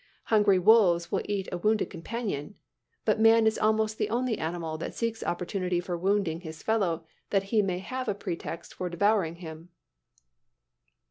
Hungry wolves will eat a wounded companion; but man is almost the only animal that seeks an opportunity for wounding his fellow that he may have a pretext for devouring him.